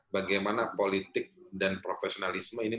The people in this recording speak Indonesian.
bagaimana politik dan profesionalisme ini